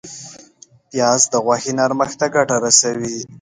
پیاز د غوښې نرمښت ته ګټه رسوي